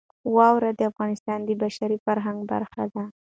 واوره د افغانستان د بشري فرهنګ برخه ده.